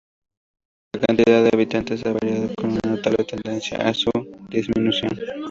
La cantidad de habitantes ha variado con una notable tendencia a su disminución.